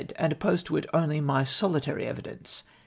and opposed to it only my solitary evidence.